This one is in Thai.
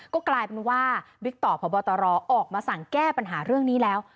ก็กลายเป็นว่าบิ๊กต่อพบตรออกมาสั่งแก้ปัญหาเรื่องนี้แล้ว